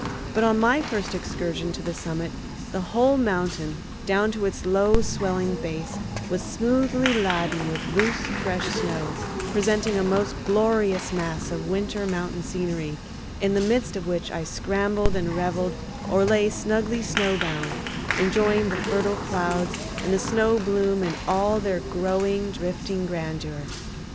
But on my first excursion to the summit the whole mountain, down to its low swelling base, was smoothly laden with loose fresh snow, presenting a most glorious mass of winter mountain scenery, in the midst of which I scrambled and reveled or lay snugly snowbound, enjoying the fertile clouds and the snow bloom in all their growing, drifting grandeur.